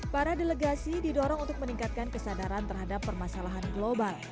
para delegasi didorong untuk meningkatkan kesadaran terhadap permasalahan global